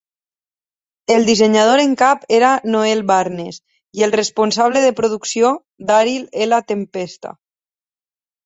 El dissenyador en cap era Noel Barnes i el responsable de producció, Daryl L Tempesta.